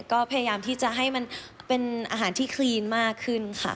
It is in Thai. ก็พยายามที่จะให้มันเป็นอาหารที่คลีนมากขึ้นค่ะ